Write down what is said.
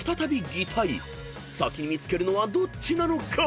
［先に見つけるのはどっちなのか］